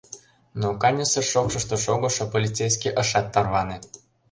Но каньысыр шокшышто шогышо полицейский ышат тарване.